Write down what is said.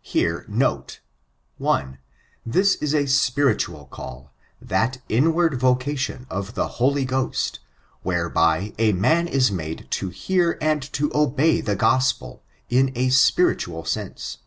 Here, note, 1. This is a spiritual call — that inward vocation of the Holy Ghost, whereby a man is made to hear and to obey the Gospel, in a spiritual sense.